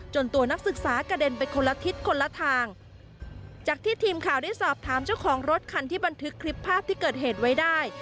ตัวนักศึกษากระเด็นไปคนละทิศคนละทางจากที่ทีมข่าวได้สอบถามเจ้าของรถคันที่บันทึกคลิปภาพที่เกิดเหตุไว้ได้